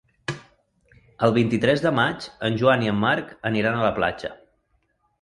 El vint-i-tres de maig en Joan i en Marc aniran a la platja.